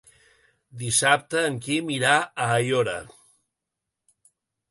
Dissabte en Quim irà a Aiora.